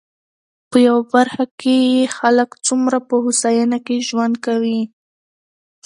په يوه برخه کې يې خلک څومره په هوساينه کې ژوند کوي.